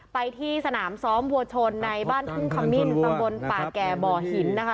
ไปที่สนามซ้อมัวชนในบ้านทุ่งคร่ามิ่วนั้นบนปาแก่บ่อหินนะคะ